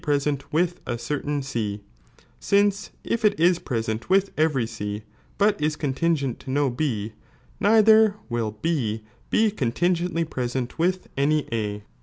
]gl present ivitli a certain C, since if it is present with every C, but is contingent lo no B, neither will U he eoniingentlj prewnt with any A.